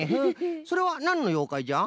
それはなんのようかいじゃ？